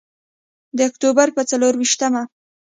د اکتوبر په څلور ویشتمه.